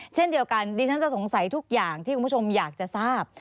เช่นเดียวกันดิฉันจะสงสัยทุกอย่างที่คุณผู้ชมอยากจะทราบ